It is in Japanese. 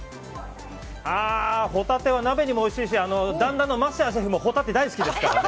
ホタテは鍋にもおいしいし旦那のシェフもホタテ、大好きですからね。